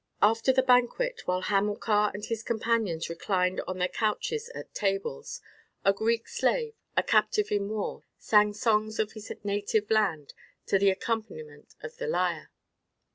After the banquet, while Hamilcar and his companions reclined on their couches at tables, a Greek slave, a captive in war, sang songs of his native land to the accompaniment of the lyre.